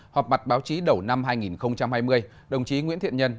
họp mặt báo chí đầu năm hai nghìn hai mươi đồng chí nguyễn thiện nhân